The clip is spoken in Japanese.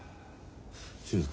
清水君。